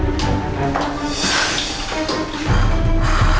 tapi saya mau beritahu ibu